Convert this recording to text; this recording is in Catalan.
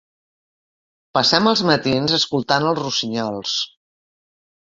Passem els matins escoltant els rossinyols.